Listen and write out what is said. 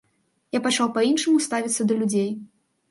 Я пачаў па-іншаму ставіцца да людзей.